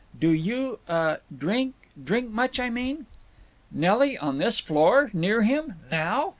… Do you—uh—drink—drink much, I mean?" Nelly on this floor! Near him! Now!